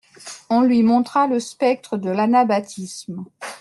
On lui montra le spectre de l'anabaptisme.